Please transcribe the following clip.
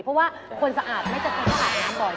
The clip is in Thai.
เพราะว่าคนสะอาดไม่จะกินต้องอาบน้ำก่อน